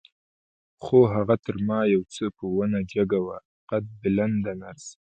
خو هغه تر ما یو څه په ونه جګه وه، قد بلنده نرس.